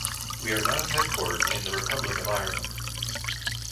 We are now headquartered in the Republic of Ireland.